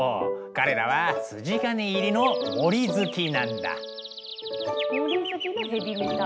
彼らは筋金入りの森好きのヘビメタ。